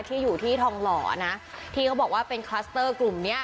ที่อยู่ที่ทองหล่อนะที่เขาบอกว่าเป็นคลัสเตอร์กลุ่มเนี้ย